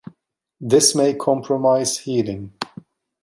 This may compromise healing.